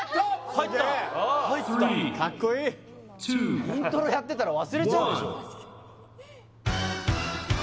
入ったカッコイイイントロやってたら忘れちゃうでしょ